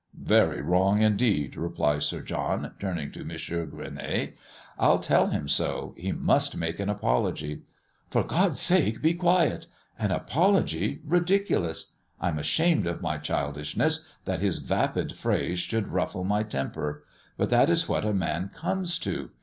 "Very wrong indeed," replies Sir John, turning to M. Gueronnay. "I'll tell him so; he must make an apology." "For God's sake be quiet! An apology, ridiculous! I'm ashamed of my childishness, that his vapid phrase could ruffle my temper; but that is what a man comes to.